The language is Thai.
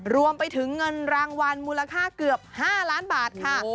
รวมไปถึงเงินรางวัลมูลค่าเกือบ๕ล้านบาทค่ะ